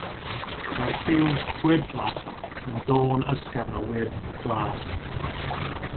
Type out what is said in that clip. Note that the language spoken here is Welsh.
Mae'r lliw "gwyrddlas" yn dôn ysgafn o wyrdd glas.